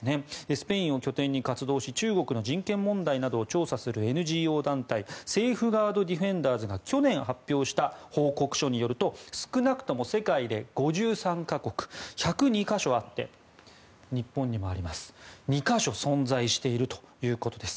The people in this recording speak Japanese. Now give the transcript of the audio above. スペインを拠点に活動し中国の人権問題などを調査するＮＧＯ団体セーフガード・ディフェンダーズが去年、発表した報告書によると少なくとも世界で５３か国１０２か所あって日本には２か所存在しているということです。